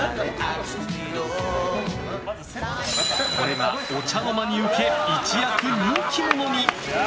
これがお茶の間にウケ一躍人気者に！